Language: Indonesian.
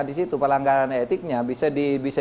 disitu pelanggaran etiknya bisa